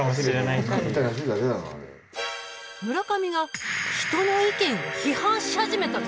村上が人の意見を批判し始めたぞ。